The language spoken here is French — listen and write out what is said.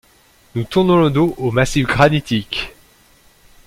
Nous tournons le dos au massif granitique!